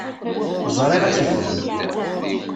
Ẓriɣ ad tt-ifhem.